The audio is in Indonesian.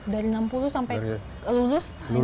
dari enam puluh sampai lulus hanya delapan belas